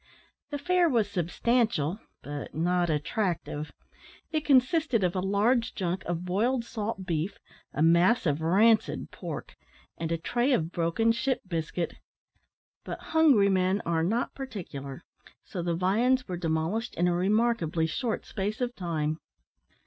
The fare was substantial, but not attractive. It consisted of a large junk of boiled salt beef, a mass of rancid pork, and a tray of broken ship biscuit. But hungry men are not particular, so the viands were demolished in a remarkably short space of time.